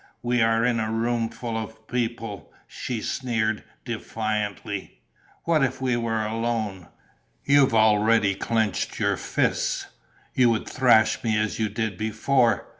"We are in a room full of people," she sneered, defiantly. "What if we were alone? You've already clenched your fists! You would thrash me as you did before.